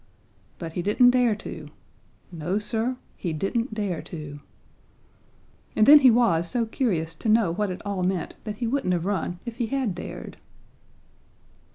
But he didn't dare to. No, Sir, he didn't dare to. And then he was so curious to know what it all meant that he wouldn't have run if he had dared.